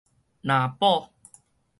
藍寶